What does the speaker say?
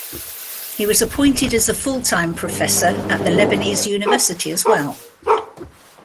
He was appointed as the full time professor at the Lebanese University as well.